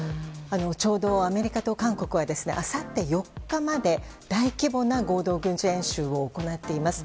ちょうど、アメリカと韓国はあさって４日まで大規模な合同軍事演習を行っています。